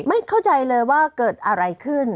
ไม่เข้าใจเลยว่าเกิดอะไรขึ้น